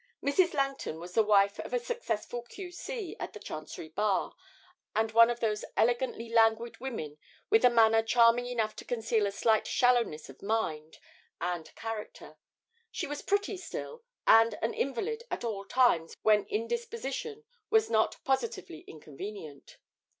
Mrs. Langton was the wife of a successful Q.C. at the Chancery Bar, and one of those elegantly languid women with a manner charming enough to conceal a slight shallowness of mind and character; she was pretty still, and an invalid at all times when indisposition was not positively inconvenient.